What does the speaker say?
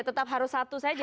tetap harus satu saja